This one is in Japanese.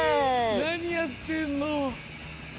なにやってんの！